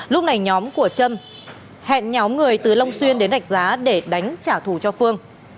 lúc này nhóm của trâm hẹn nhóm người từ long xuyên đến đạch giá để đánh trả thù cho phương